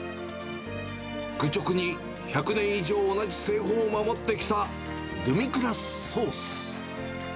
愚直に１００年以上同じ製法を守ってきたドゥミグラスソース。